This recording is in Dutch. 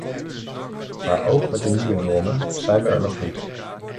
Maar ook met de nieuwe normen zijn we er nog niet.